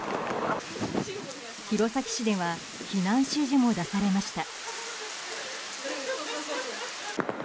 弘前市では避難指示も出されました。